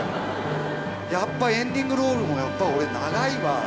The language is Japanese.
やっぱエンディングロールもやっぱ俺長いわ。